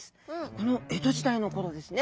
この江戸時代の頃ですね。